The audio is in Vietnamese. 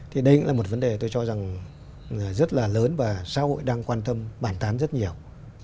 thì đây cũng là một vấn đề tôi cho rằng rất là lớn và xã hội đang quan tâm bản tán rất nhiều